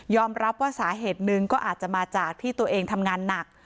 รับว่าสาเหตุหนึ่งก็อาจจะมาจากที่ตัวเองทำงานหนัก